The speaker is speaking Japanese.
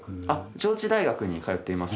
上智大学に通っています。